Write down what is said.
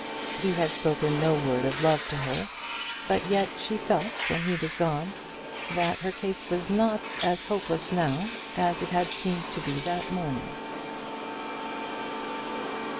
He had spoken no word of love to her; but yet she felt, when he was gone, that her case was not as hopeless now as it had seemed to be that morning.